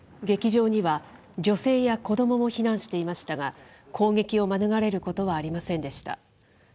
劇場には、女性や子どもも避難していましたが、攻撃を免れることはありませんでした。